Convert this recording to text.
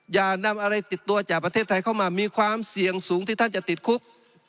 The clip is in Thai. อย่านำอะไรติดตัวจากประเทศไทยเข้ามามีความเสี่ยงสูงที่ท่านจะติดคุก